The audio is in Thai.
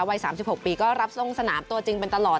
วัย๓๖ปีก็รับลงสนามตัวจริงเป็นตลอด